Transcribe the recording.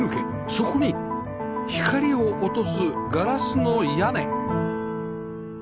そこに光を落とすガラスの屋根